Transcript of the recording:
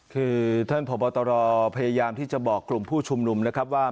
คือท่านพบตรพยายามที่จะบอกกลุ่มผู้ชุมนุมนะครับว่า